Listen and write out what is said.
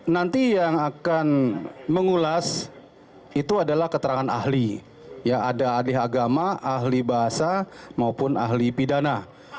nanti yang akan mengulas itu adalah keterangan ahli ada ahli agama ahli bahasa maupun ahli pidana